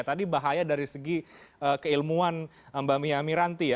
tadi bahaya dari segi keilmuan mbak mia miranti ya